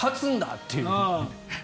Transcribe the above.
っていう。